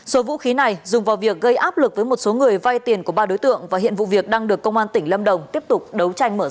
số vũ khí này dùng vào việc gây áp lực với một số người vay tiền của ba đối tượng và hiện vụ việc đang được công an tỉnh lâm đồng tiếp tục đấu tranh mở rộng